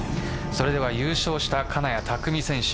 それでは優勝した金谷拓実選手